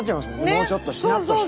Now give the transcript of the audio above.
もうちょっとしなっとして。